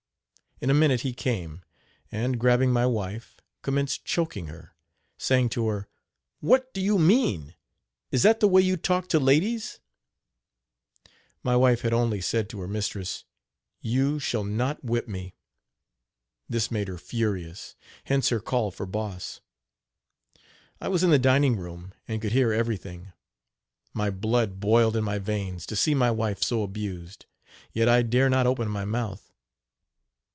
In a minute he came, and, grabbing my wife, commenced choking her, saying to her: "What do you mean? Is that the way you talk to ladies?" My wife had only said to her mistress: "You shall not whip me." This made her furious, hence her call for Boss. I was in the dining room, and could hear everything. My blood boiled in my veins to see my wife so abused; yet I dare not open my mouth.